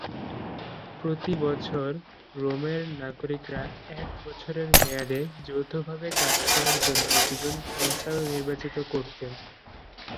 প্রতি বছর, রোমের নাগরিকরা এক বছরের মেয়াদে যৌথভাবে কাজ করার জন্য দুজন কনসাল নির্বাচিত করতেন।